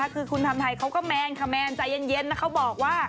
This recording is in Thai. คือคุณทำไทยเขาก็แมนค่ะแมนใจเย็นนะเขาบอกว่า